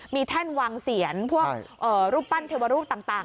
มีแท่นวางเสียนพวกรูปปั้นเทวรูปต่าง